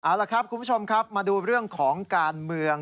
เอาละครับคุณผู้ชมครับมาดูเรื่องของการเมือง